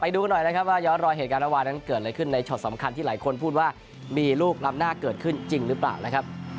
ดูกันหน่อยนะครับว่าย้อนรอยเหตุการณ์ระหว่างนั้นเกิดอะไรขึ้นในช็อตสำคัญที่หลายคนพูดว่ามีลูกลำหน้าเกิดขึ้นจริงหรือเปล่านะครับ